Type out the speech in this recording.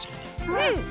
うん！